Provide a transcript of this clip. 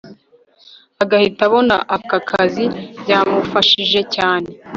agahita abona aka kazi byamufashije cyane